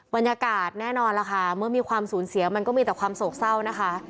บรรยากาศแน่นอนล่ะค่ะเมื่อมีความสูญเสียมันก็มีแต่ความโศกเศร้านะคะ